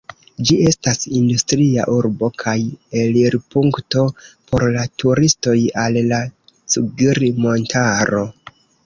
Ĝi estas industria urbo kaj elirpunkto por la turistoj al la Cugir-montaro.